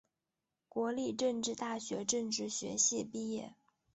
国立政治大学政治学系毕业。